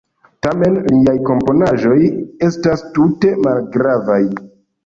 Tamen liaj komponaĵoj estas tute malgravaj.